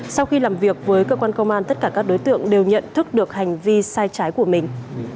sau khi làm việc với cơ quan công an tất cả các đối tượng đều nhận thức được hành vi sai trái của mình